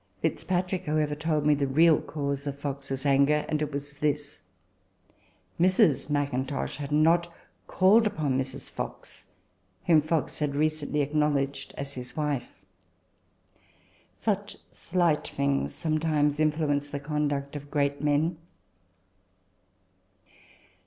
Fitzpatrick, however, told me the real cause of Fox's anger ; and it was this : Mrs. Mackintosh had not called upon Mrs. Fox, whom Fox had recently acknowledged as his wife. Such slight TABLE TALK OF SAMUEL ROGERS 53 things sometimes influence the conduct of great men.